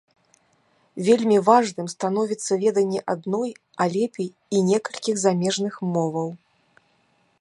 Вельмі важным становіцца веданне адной, а лепей і некалькіх замежных моваў.